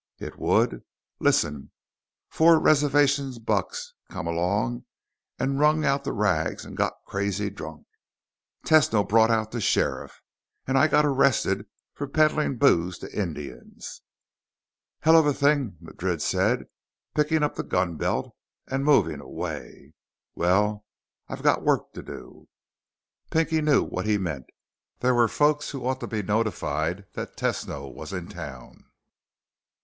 "It would? Listen, four reservation bucks come along, wrung out the rags, and got crazy drunk. Tesno brought out the sheriff, and I got arrested for peddling booze to Indians!" "Hell of a thing," Madrid said, picking up the gunbelt and moving away. "Well, I got work to do." Pinky knew what he meant. There were folks who ought to be notified that Tesno was in town.